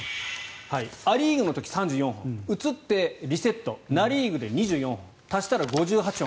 ア・リーグの時３４本移って、リセットナ・リーグで２４本足したら５８本。